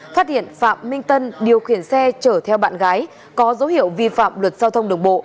phát hiện phạm minh tân điều khiển xe chở theo bạn gái có dấu hiệu vi phạm luật giao thông đường bộ